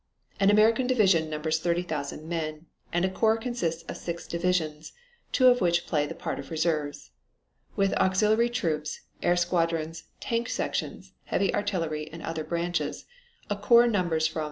An American division numbers 30,000 men, and a corps consists of six divisions, two of which play the part of reserves. With auxiliary troops, air squadrons, tank sections, heavy artillery, and other branches, a corps numbers from 225,000 to 250,000 men.